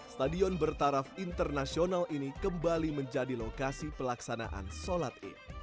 stadion bertaraf internasional ini kembali menjadi lokasi pelaksanaan sholat id